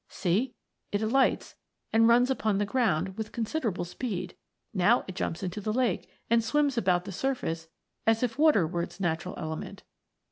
See ! it alights, and runs upon the ground with considerable speed now it jumps into the lake, and swims about the surface as if water were its natural element.